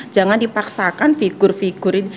jangan dipaksakan figur figur